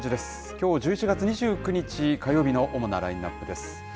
きょう１１月２９日火曜日の主なラインナップです。